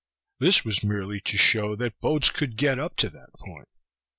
This was merely to show that boats could get up to that point.